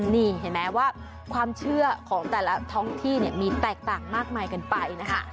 นี่เห็นไหมว่าความเชื่อของแต่ละท้องที่เนี่ยมีแตกต่างมากมายกันไปนะคะ